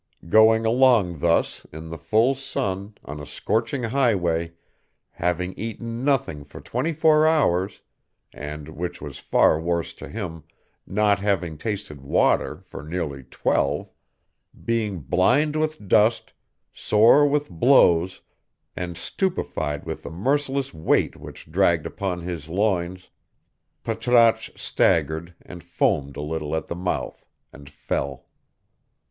Going along thus, in the full sun, on a scorching highway, having eaten nothing for twenty four hours, and, which was far worse to him, not having tasted water for near twelve, being blind with dust, sore with blows, and stupefied with the merciless weight which dragged upon his loins, Patrasche staggered and foamed a little at the mouth, and fell.